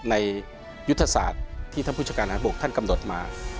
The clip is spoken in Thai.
ในยุทธศาสตร์ที่ท่านพุทธการบกท่านกำหนดมา